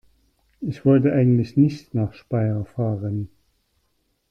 Ich wollte eigentlich nicht nach Speyer fahren